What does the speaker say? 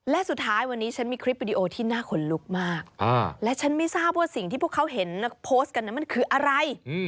และฉันไม่ทราบว่าสิ่งที่พวกเขาเห็นโพสต์กันนั้นมันคืออะไร